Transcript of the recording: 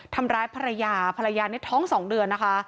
ทำร้ายภรรยาภรรยาในท้องที่๒เดือน